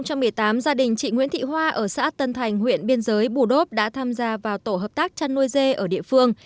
năm hai nghìn một mươi tám gia đình chị nguyễn thị hoa ở xã tân thành huyện biên giới bù đốp đã tham gia vào tổ hợp tác chăn nuôi dê ở địa phương